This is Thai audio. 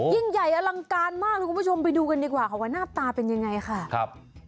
ยิ่งใหญ่อลังการมากคุณผู้ชมไปดูกันดีกว่าคุณผู้ชมหน้าตาเป็นยังไงค่ะ